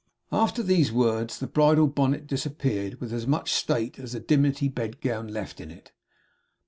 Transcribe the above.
After these words the bridal bonnet disappeared; with as much state as the dimity bedgown left in it.